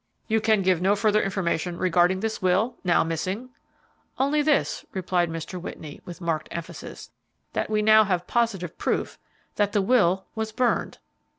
"You can give no further information regarding this will, now missing?" "Only this," replied Mr. Whitney, with marked emphasis, "that we now have positive proof that the will was burned."